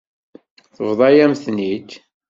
Tebḍa-yam-ten-id.